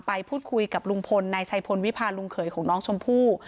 ไปพูดคุยกับลุงพลนายชัยพลวิพาลุงเขยของน้องชมพู่